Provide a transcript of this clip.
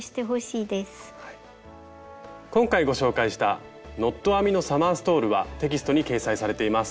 今回ご紹介した「ノット編みのサマーストール」はテキストに掲載されています。